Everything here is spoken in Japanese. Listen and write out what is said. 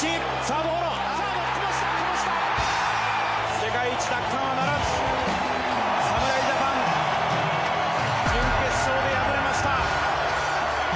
世界一奪還はならず、侍ジャパン、準決勝で敗れました。